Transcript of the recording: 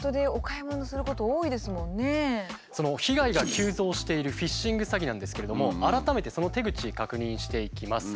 その被害が急増しているフィッシング詐欺なんですけれども改めてその手口確認していきます。